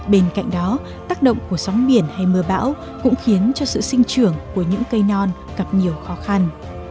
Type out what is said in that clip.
bên cạnh đó tác động của sóng biển hay mưa bão cũng khiến cho sự sinh trưởng của những cây non gặp nhiều khó khăn